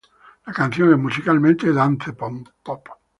La canción es musicalmente dance-pop.